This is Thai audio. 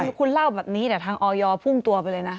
คือคุณเล่าแบบนี้แต่ทางออยพุ่งตัวไปเลยนะ